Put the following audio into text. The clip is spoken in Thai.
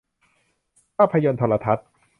ภาพยนตร์โทรทัศน์